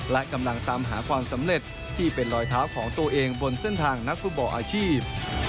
และกำลังตามหาความสำเร็จที่เป็นรอยเท้าของตัวเองบนเส้นทางนักฟุตบอลอาชีพ